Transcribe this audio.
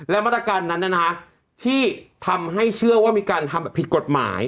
และมาตรการนั้นที่ทำให้เชื่อว่ามีการทำแบบผิดกฎหมาย